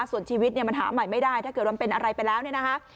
ส่วนชีวิตเนี่ยมันหาใหม่ไม่ได้ถ้าเกิดว่ามันเป็นอะไรไปแล้วเนี่ยนะคะ